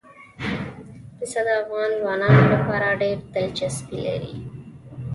پسه د افغان ځوانانو لپاره ډېره دلچسپي لري.